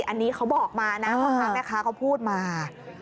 อันนี้เขาบอกมานะพ่อค้าแม่ค้าเขาพูดมา